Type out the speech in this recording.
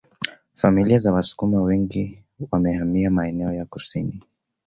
Familia za Wasukuma wengi sana wamehamia maeneo ya kusini